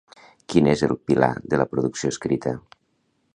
Quin és el pilar de la producció escrita?